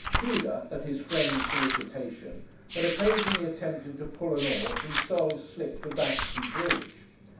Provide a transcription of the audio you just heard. Tudor, at his friend's solicitation, had occasionally attempted to pull an oar from Searle's slip to Battersea bridge.